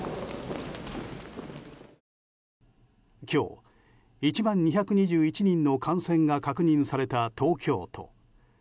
今日１万２２１人の感染が確認された東京都。